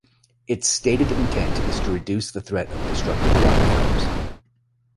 Its stated intent is to reduce the threat of destructive wildfires.